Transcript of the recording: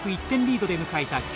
１点リードで迎えた